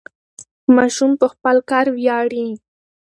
ماشوم په خپل کار ویاړي.